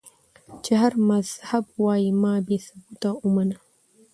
چې هر مذهب وائي ما بې ثبوته اومنه